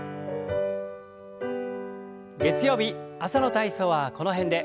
月曜日朝の体操はこの辺で。